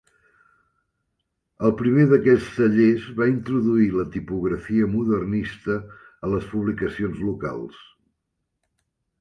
El primer d’aquests tallers va introduir la tipografia modernista a les publicacions locals.